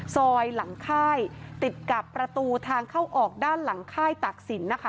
ซอยหลังค่ายติดกับประตูทางเข้าออกด้านหลังค่ายตักศิลป์นะคะ